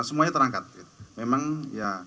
semuanya terangkat memang ya